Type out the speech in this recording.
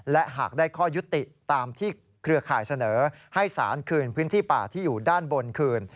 และหากได้ข้อยุติตามที่เครือข่ายเสนอให้สารคืนพื้นที่ป่าที่อยู่ด้านบนคืน